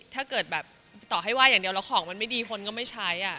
ถ้าเกิดแบบต่อให้ไห้อย่างเดียวแล้วของมันไม่ดีคนก็ไม่ใช้